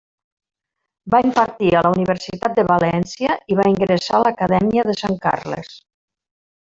Va impartir a la Universitat de València i va ingressar a l'Acadèmia de Sant Carles.